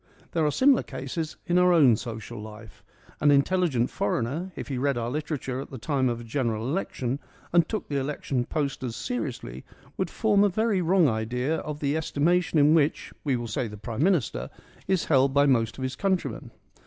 There are similar cases in our own social life. An intelligent foreigner, if he read our literature at the time of a general election and took the election posters 88 FEMINISM IN GREEK LITERATURE seriously, would form a very wrong idea of the esti mation in which — we will say the Prime Minister — is held by most of his countrymen.